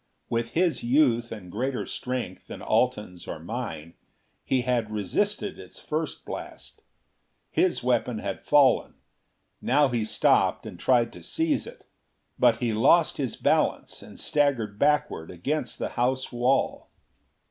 With his youth and greater strength than Alten's or mine, he had resisted its first blast. His weapon had fallen; now he stooped and tried to seize it; but he lost his balance and staggered backward against the house wall.